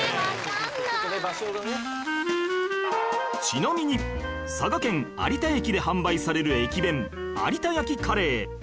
ちなみに佐賀県有田駅で販売される駅弁有田焼カレー